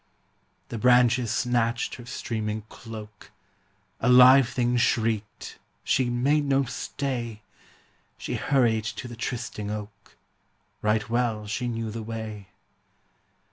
The branches snatched her streaming cloak; A live thing shrieked; she made no stay! She hurried to the trysting oak Right well she knew the way.